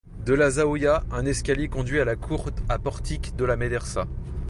De la zaouïa, un escalier conduit à la cour à portiques de la médersa.